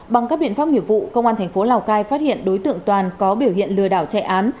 bằng các biện pháp nghiệp vụ công an thành phố lào cai phát hiện đối tượng toàn có biểu hiện lừa đảo chạy án